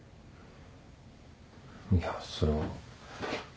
いやそれは。